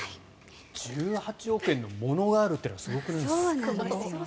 １８億円のものがあるというのがすごくないですか？